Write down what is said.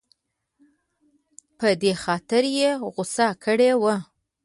په دې خاطر یې غوسه کړې وه.